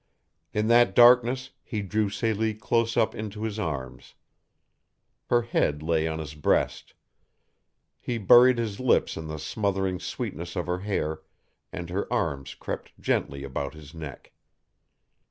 In that darkness he drew Celie close up into his arms. Her head lay on his breast. He buried his lips in the smothering sweetness of her hair, and her arms crept gently about his neck.